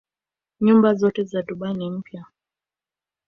Nyumba zote za Dubai ni mpya.